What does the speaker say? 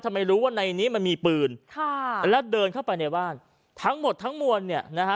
ไม่รู้ว่าในนี้มันมีปืนค่ะแล้วเดินเข้าไปในบ้านทั้งหมดทั้งมวลเนี่ยนะฮะ